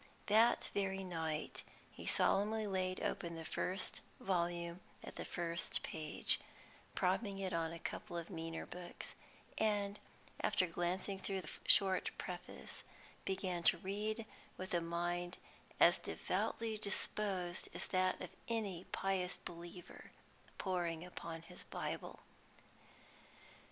That very night he solemnly laid open the first volume at the first page, propping it on a couple of meaner books, and, after glancing through the short Preface, began to read with a mind as devoutly disposed as that of any pious believer poring upon his Bible.